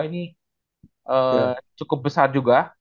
ini cukup besar juga